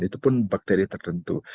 itu pun bakteri tertentu